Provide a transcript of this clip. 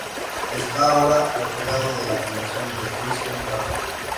Está ahora al cuidado de la Fundación de Weston Park.